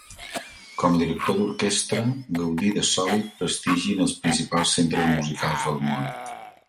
Com a director d'orquestra, gaudí de sòlit prestigi en els principals centres musicals del món.